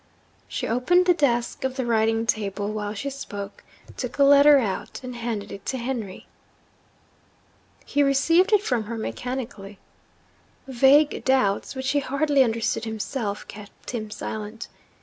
She opened the desk of the writing table while she spoke, took a letter out, and handed it to Henry. He received it from her mechanically. Vague doubts, which he hardly understood himself, kept him silent.